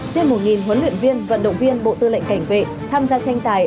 trên một huấn luyện viên vận động viên bộ tư lệnh cảnh vệ tham gia tranh tài